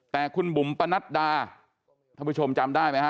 แต่คุณบุ๋มปะนัดดาท่านผู้ชมจำได้ไหมฮะ